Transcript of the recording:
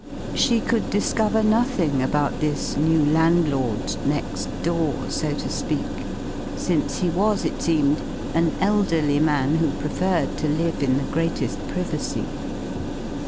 She could discover nothing about this new landlord next door, so to speak, since he was, it seemed, an elderly man who preferred to live in the greatest privacy.